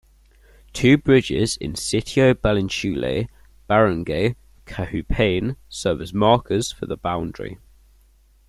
Two bridges in Sitio Balintulay, Barangay Kahupian serve as markers for the boundary.